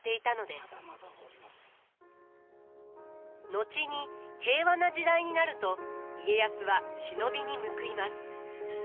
後に平和な時代になると家康は忍びに報います。